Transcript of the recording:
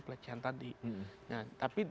pelecehan tadi nah tapi